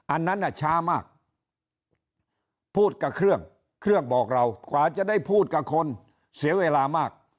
อันนั้นน่ะช้ามากพูดกับเครื่องเครื่องบอกเรากว่าจะได้พูดกับคนเสียเวลามาก